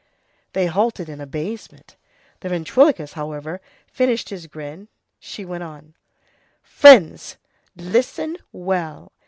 They halted in amazement. The ventriloquist, however, finished his grin. She went on:— "Friends! Listen well.